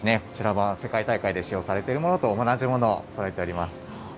こちらは世界大会で使用されてるものと同じものをそろえております。